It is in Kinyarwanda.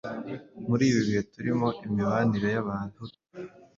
Muri ibi bihe turimo, imibanire y'Abahutu,